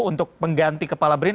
untuk mengganti kepala brin